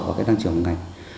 và cái tăng trưởng của ngành